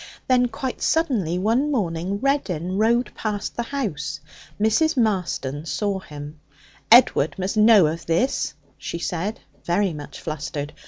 Then, quite suddenly, one morning Reddin rode past the house. Mrs. Marston saw him. 'Edward must know of this,' she said, very much flustered.